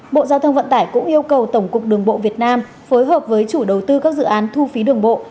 bộ giao thông vận tải cũng yêu cầu tổng cục đường bộ việt nam phối hợp với chủ đầu tư các dự án thu phí đường bộ